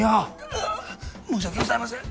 ううっ申し訳ございません。